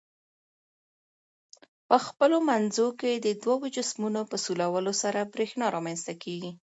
په خپلو منځو کې د دوو جسمونو په سولولو سره برېښنا رامنځ ته کیږي.